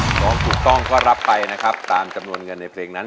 ร้องถูกต้องก็รับไปนะครับตามจำนวนเงินในเพลงนั้น